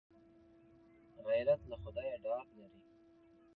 غیرت له خدایه ډار لري